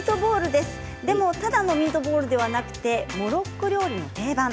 でも、ただのミートボールではなくて、モロッコ料理の定番。